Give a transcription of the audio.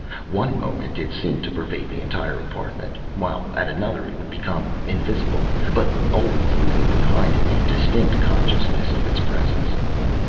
One moment it seemed to pervade the entire apartment, while at another it would become invisible, but always leaving behind it a distinct consciousness of its presence.